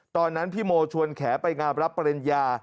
ตอนนั้นพี่โมชวนแขไปงามรับปริญญา